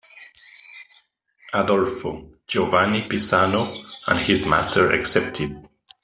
Arnolfo, Giovanni Pisano, and his master excepted.